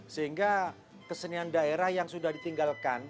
sehingga kesenian daerah yang sudah ditinggalkan